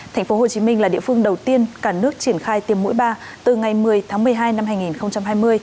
thành phố hồ chí minh là địa phương đầu tiên cả nước triển khai tiêm mũi ba từ ngày một mươi tháng một mươi hai năm hai nghìn hai mươi